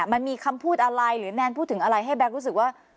มันมีคำพูดอะไรหรือแนนพูดถึงอะไรให้แก๊กรู้สึกว่า